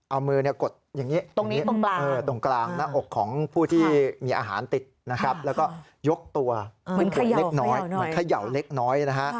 เอามือกดอย่างนี้ตรงนี้ตรงกลาง